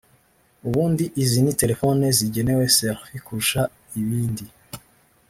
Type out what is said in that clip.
ubundi izi ni telefoni zigenewe selfie kurusha ibindi